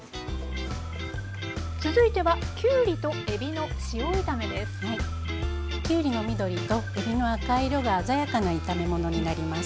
続いてはきゅうりの緑とえびの赤い色が鮮やかな炒め物になります。